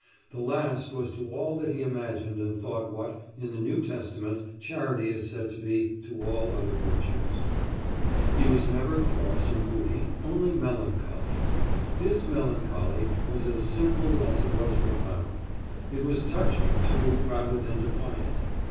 The last was to all that he imagined and thought what, in the New Testament, charity is said to be to all other virtues. He was never cross or moody only melancholy. His melancholy was as simple as it was profound. It was touching, too, rather than defiant.